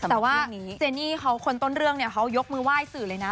แต่ว่าเจนี่เขาคนต้นเรื่องเนี่ยเขายกมือไหว้สื่อเลยนะ